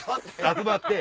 集まって。